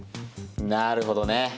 なるほどね。